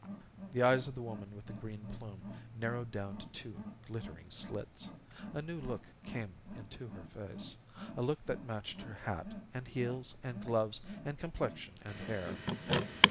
The eyes of the woman with the green plume narrowed down to two glittering slits. A new look came into her face a look that matched her hat, and heels and gloves and complexion and hair.